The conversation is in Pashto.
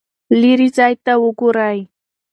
لیرې ځای ته وګورئ.